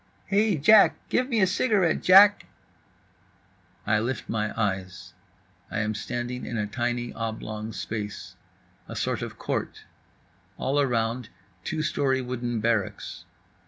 "Hey, Jack, give me a cigarette, Jack…." I lift my eyes. I am standing in a tiny oblong space. A sort of court. All around, two story wooden barracks.